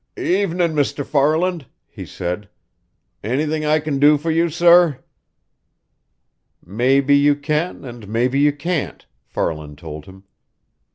"Evenin', Mr. Farland," he said. "Anything I can do for you, sir?" "Maybe you can and maybe you can't," Farland told him.